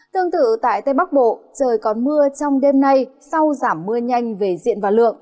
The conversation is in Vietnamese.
tương tự tại tây bắc bộ trời còn mưa trong đêm nay sau giảm mưa nhanh về diện và lượng